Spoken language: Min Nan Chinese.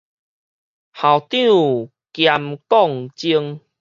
校長兼摃鐘